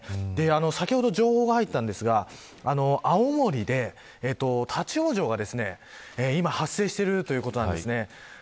先ほど情報が入ったんですが青森で、立ち往生が今発生しているということです。